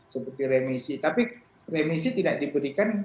seperti remisi tapi remisi tidak diberikan